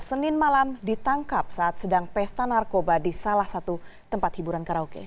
senin malam ditangkap saat sedang pesta narkoba di salah satu tempat hiburan karaoke